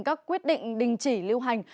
các quyết định đình chỉ lưu hành